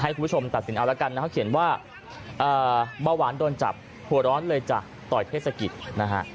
คุณผู้ชมตัดสินเอาละกันนะครับเขียนว่าเบาหวานโดนจับหัวร้อนเลยจ้ะต่อยเทศกิจนะฮะ